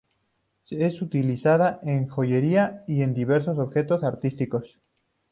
Es utilizada en joyería y en diversos objetos artísticos.